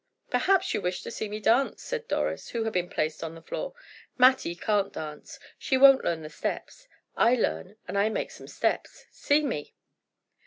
"Perhaps you wish to see me dance," said Doris, who had been placed on the floor. "Mattie can't dance; she won't learn the steps. I learn, and I make some steps; see me."